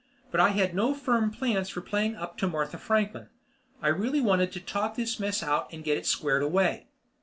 But I had no firm plans for playing up to Martha Franklin; I really wanted to talk this mess out and get it squared away.